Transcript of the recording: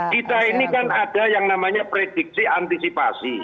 kita ini kan ada yang namanya prediksi antisipasi